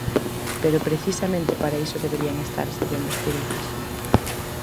Pero precisamente para iso deberían de estar as vivendas públicas.